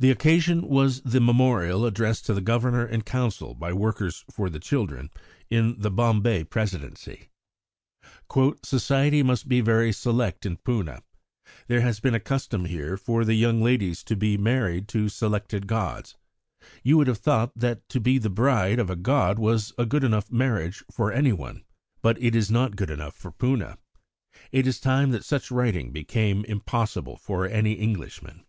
The occasion was the memorial addressed to the Governor in Council by workers for the children in the Bombay Presidency: "Society must be very select in Poona. There has been a custom there for young ladies to be married to selected gods. You would have thought that to be the bride of a god was a good enough marriage for anyone. But it is not good enough for Poona." It is time that such writing became impossible for any Englishman.